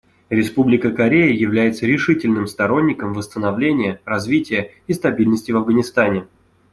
Республика Корея является решительным сторонником восстановления, развития и стабильности в Афганистане.